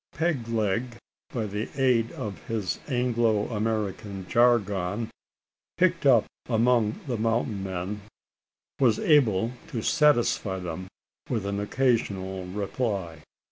Peg leg, by the aid of his Anglo American jargon picked up among the mountain men was able to satisfy them with an occasional reply.